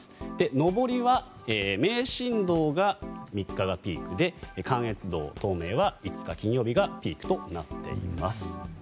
上りは名神道が３日がピークで関越道・東名は５日金曜日がピークとなっています。